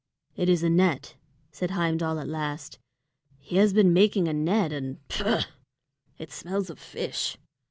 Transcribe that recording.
"It is a net," said Heimdal at last. "He has been making a net, and pfaugh! it smells of fish.